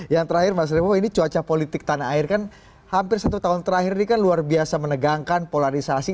yang terakhir mas revo ini cuaca politik tanah air kan hampir satu tahun terakhir ini kan luar biasa menegangkan polarisasi